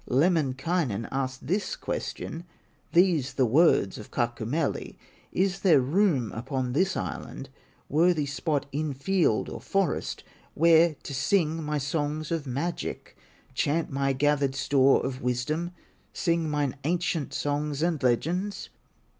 Lemminkainen asked this question, These the words of Kaukomieli: "Is there room upon this island, Worthy spot in field or forest, Where to sing my songs of magic, Chant my gathered store of wisdom, Sing mine ancient songs and legends?"